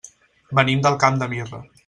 Venim del Camp de Mirra.